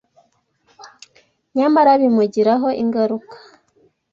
nyamara bimugiraho ingaruka.